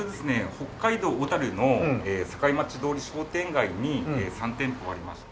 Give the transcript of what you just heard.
北海道小樽の堺町通り商店街に３店舗ありまして。